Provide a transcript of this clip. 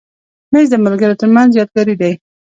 مېز د ملګرو تر منځ یادګاري دی.